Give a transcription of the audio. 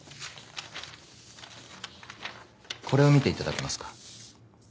これを見ていただけますか。